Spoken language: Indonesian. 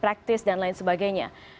praktis dan lain sebagainya